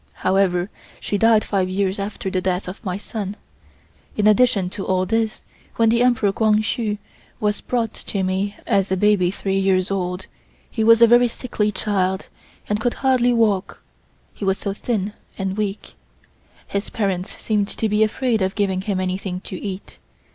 However, she died five years after the death of my son. In addition to all this, when the Emperor Kwang Hsu was brought to me as a baby three years old, he was a very sickly child, and could hardly walk, he was so thin and weak. His parents seemed to be afraid of giving him anything to eat.